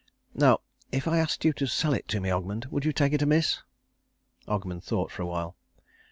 Now if I asked you to sell it to me, Ogmund, would you take it amiss?" Ogmund thought for a while.